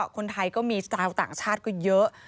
คนไทยก็มีสไตล์ต่างชาติก็เยอะ